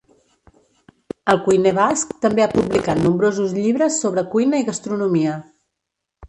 El cuiner basc també ha publicat nombrosos llibres sobre cuina i gastronomia.